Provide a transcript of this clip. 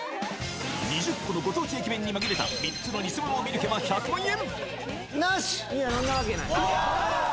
２０個のご当地駅弁に紛れた３つのニセモノを見抜けば１００万円